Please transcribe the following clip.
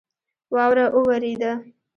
واوره اوورېده